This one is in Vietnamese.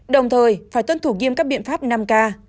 đồng thời phải tuân thủ nghiêm các biện pháp năm k